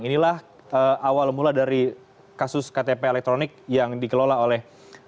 inilah awal mula dari kasus ktp elektronik yang dikelola oleh